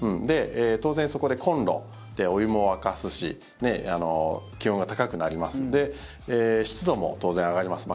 当然、そこでコンロでお湯も沸かすし気温が高くなりますので湿度も当然上がります。